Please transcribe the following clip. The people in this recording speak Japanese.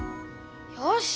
よし！